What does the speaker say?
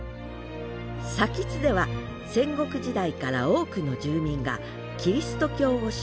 津では戦国時代から多くの住民がキリスト教を信仰していました